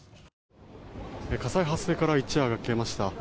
火災発生から一夜明けました。